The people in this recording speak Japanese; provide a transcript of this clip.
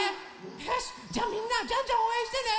よしじゃあみんなジャンジャンおうえんしてね。